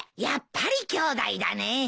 やっぱりきょうだいだね。